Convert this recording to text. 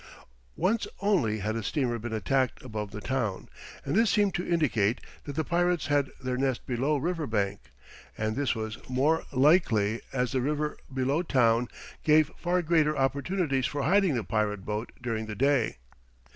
Once only had a steamer been attacked above the town, and this seemed to indicate that the pirates had their nest below Riverbank, and this was the more likely as the river below town gave far greater opportunities for hiding the pirate boat during the day.